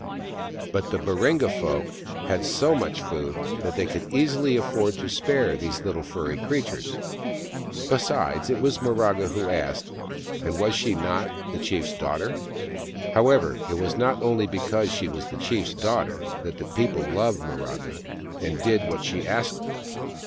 But the Baringa folk had so much food that they could easily afford to spare these little furry things. Besides, it was Miraga who asked, and was she not the chief's daughter ? However, it was not only because she was the chief's daughter that the people loved Miraga and did what she asked them.